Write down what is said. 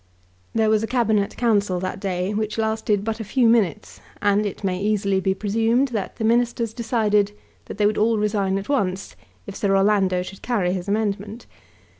There was a Cabinet Council that day which lasted but a few minutes, and it may easily be presumed that the Ministers decided that they would all resign at once if Sir Orlando should carry his amendment.